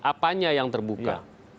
apanya yang terbuka